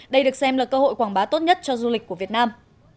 đây được xem là cơ hội quảng bá tốt nhất cho du lịch của việt nam